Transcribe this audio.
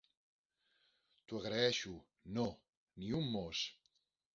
T'ho agraeixo, no, ni un mos.